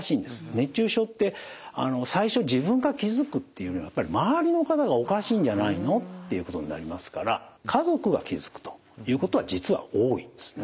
熱中症って最初自分が気付くっていうよりはやっぱり周りの方が「おかしいんじゃないの？」っていうことになりますから家族が気付くということは実は多いんですね。